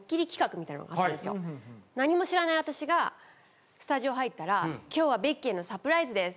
何も知らない私がスタジオ入ったら今日はベッキーへのサプライズです。